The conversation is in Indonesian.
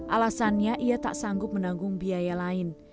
alasannya ia tak sanggup menanggung biaya lain